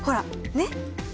ねっ！